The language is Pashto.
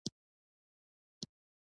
کېله د ښکلا لپاره هم کارېږي.